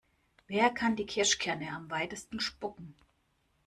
Wer kann die Kirschkerne am weitesten spucken?